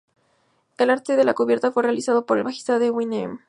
El arte de la cubierta fue realizado por el bajista David Wm.